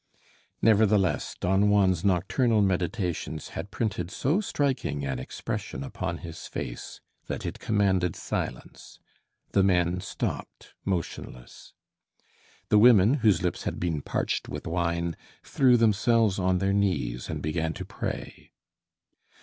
Nevertheless, Don Juan's nocturnal meditations had printed so striking an expression upon his face that it commanded silence. The men stopped, motionless. The women, whose lips had been parched with wine, threw themselves on their knees and began to pray.